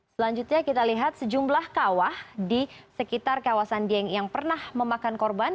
selanjutnya kita lihat sejumlah kawah di sekitar kawasan dieng yang pernah memakan korban